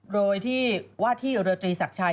โดยที่ว่าที่เรือตรีศักดิ์ชัย